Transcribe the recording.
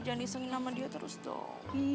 jangan isengin sama dia terus tuh